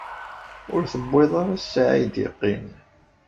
Ur tewwiḍ ara ssaɛa ay d-yeqqimen.